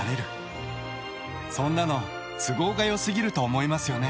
そんなの都合がよすぎると思いますよね？